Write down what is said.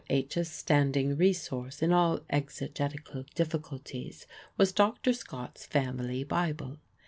H.'s standing resource in all exegetical difficulties was Dr. Scott's Family Bible.